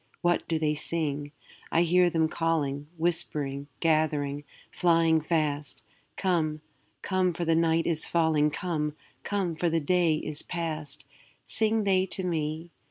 What do they sing? I hear them calling, Whispering, gathering, flying fast, 'Come, come, for the night is falling; Come, come, for the day is past!' Sing they to me?